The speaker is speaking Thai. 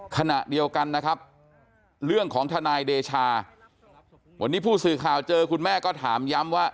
ขณะเดียวกันนะครับเรื่องของทนายเดชาวันนี้ผู้สื่อข่าวเจอคุณแม่ก็ถามย้ำว่า